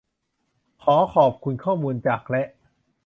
ขอขอบคุณข้อมูลจาก และ